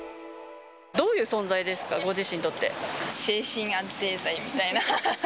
どういう存在ですか、ご自身精神安定剤みたいな。